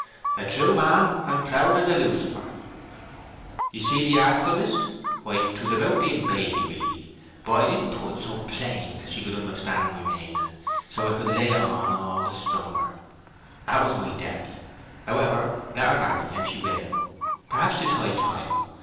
"A true man, and proud as a lucifer." "You see the artfulness? Why, 'twas about being baily really; but I didn't put it so plain that she could understand my meaning, so I could lay it on all the stronger. That was my depth!... However, let her marry an she will. Perhaps 'tis high time.